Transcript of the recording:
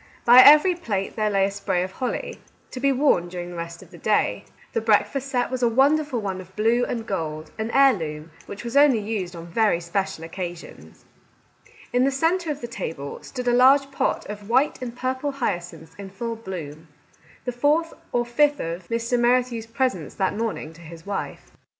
By every plate there lay a spray of holly, to be worn during the rest of the day. The breakfast set was a wonderful one of blue and gold, an heirloom, which was only used on very special occasions. In the centre of the table stood a large pot of white and purple hyacinths in full bloom, the fourth or fifth of g2 Our Little Canadian Cousin Mr. Merrithew's presents that morning to his wife.